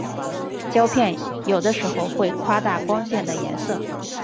胶片有的时候会夸大光线的颜色。